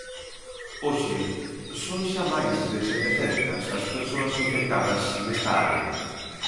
Hoxe son xa máis de setecentas as persoas infectadas nesta área.